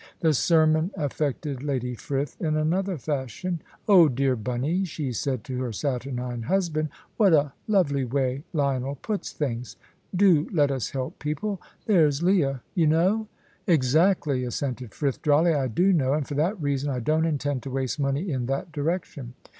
The sermon affected Lady Frith in another fashion. "Oh, dear Bunny," she said to her saturnine husband, "what a lovely way Lionel puts things! Do let us help people. There's Leah, you know " "Exactly," assented Frith, dryly. "I do know, and for that reason I don't intend to waste money in that direction."